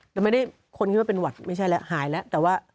แต่ไม่ได้คนคิดว่าเป็นหวัดไม่ใช่แล้วหายแล้วแต่ว่า